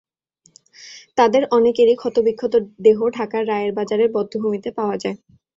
তাদের অনেকেরই ক্ষতবিক্ষত দেহ ঢাকার রায়ের বাজারের বধ্যভূমিতে পাওয়া যায়।